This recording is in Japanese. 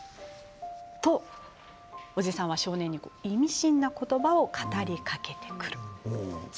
と、おじさんは少年に意味深な言葉を語りかけてくるんです。